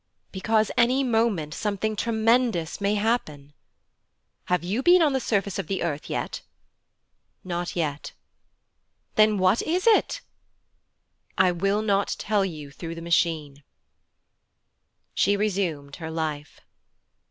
'Because, any moment, something tremendous many happen.' 'Have you been on the surface of the earth yet?' 'Not yet.' 'Then what is it?' 'I will not tell you through the Machine.' She resumed her life.